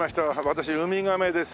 私ウミガメです。